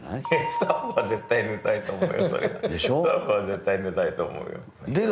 スタッフは絶対寝たいと思う。